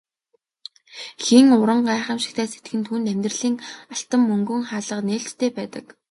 Хэн уран гайхамшигтай сэтгэнэ түүнд амьдралын алтан мөнгөн хаалга нээлттэй байдаг.